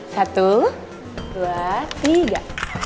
satu dua tiga